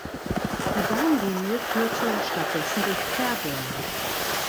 Die Bahnlinie führte stattdessen durch Fairburn.